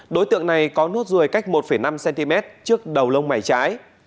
đối tượng này có nốt ruồi cách một năm cm trước đầu lông mày trái